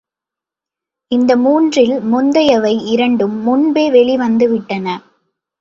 இந்த மூன்றில் முந்தியவை இரண்டும் முன்பே வெளிவந்து விட்டன.